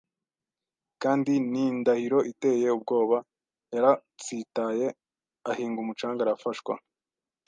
Kandi n'indahiro iteye ubwoba yaratsitaye, ahinga umucanga, arafashwa